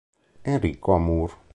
Enrico Amour.